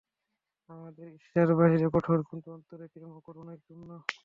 আমাদের ঈশ্বর বাহিরে কঠোর, কিন্তু অন্তরে প্রেম ও করুণায় পূর্ণ।